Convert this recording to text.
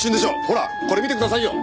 ほらこれ見てくださいよ。